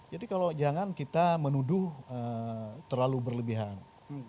jadi kalau jangan kita menuduh terlalu berlebihan